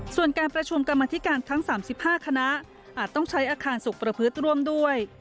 ส่วนการประชุมกรรมธิการทั้ง๓๕คณะอาจต้องใช้อาคารสุขประพฤติร่วมด้วย